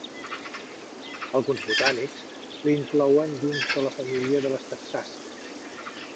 Alguns botànics l'inclouen dins de la família de les taxàcies.